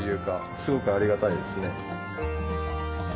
すごくありがたいですね。